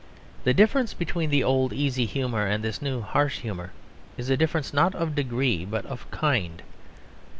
The difference between the old easy humour and this new harsh humour is a difference not of degree but of kind.